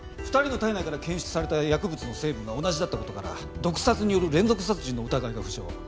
２人の体内から検出された薬物の成分が同じだった事から毒殺による連続殺人の疑いが浮上。